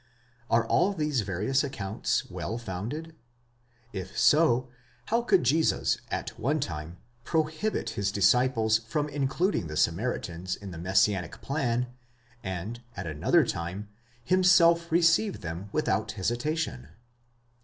Are all these various accounts well founded? If so, how could Jesus at one time prohibit his disciples from including the Samaritans in the messianic plan, and at another time, himself receive them without hesitation